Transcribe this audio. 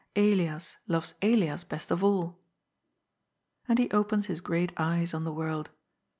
Elias loves Elias best of all." And he opens his great eyes on the world.